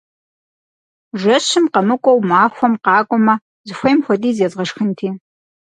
Жэщым къэмыкӀуэу махуэм къакӀуэмэ, зыхуейм хуэдиз езгъэшхынти!